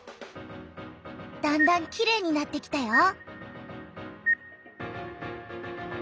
だんだんきれいになってきたよ！